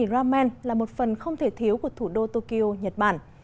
những quán ăn bán món mì ramen là một phần không thiệt thiếu của thủ đô tokyo nhật bản